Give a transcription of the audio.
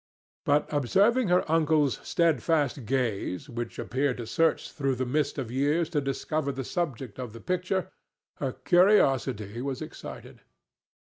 But, observing her uncle's steadfast gaze, which appeared to search through the mist of years to discover the subject of the picture, her curiosity was excited.